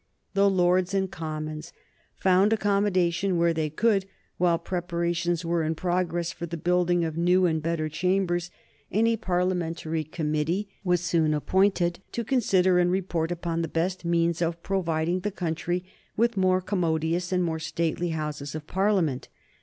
The Lords and Commons found accommodation where they could while preparations were in progress for the building of new and better chambers, and a Parliamentary committee was soon appointed to consider and report upon the best means of providing the country with more commodious and more stately Houses of Parliament.